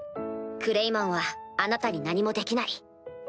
クレイマンはあなたに何もできない。